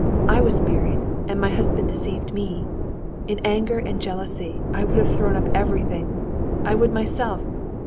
I was married, and my husband deceived me; in anger and jealousy, I would have thrown up everything, I would myself....